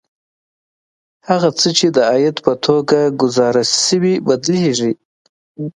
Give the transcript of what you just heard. هغه څه چې د عاید په توګه ګزارش شوي بدلېږي